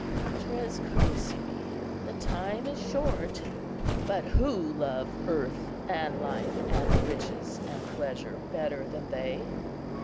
Fratres charissimi, the time is short;' but who love earth and life and riches and pleasure better than they?